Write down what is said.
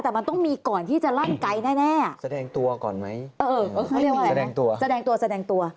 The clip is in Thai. แสดงตัวแสดงตัวแสดงตัว